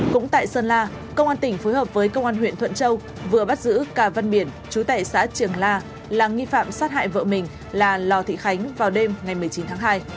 cũng tại sơn la công an tỉnh phối hợp với công an huyện thuận châu vừa bắt giữ cà văn biển chú tệ xã trường la là nghi phạm sát hại vợ mình là lò thị khánh vào đêm ngày một mươi chín tháng hai